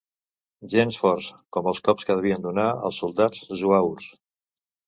Gens forts, com els cops que devien donar els soldats zuaus.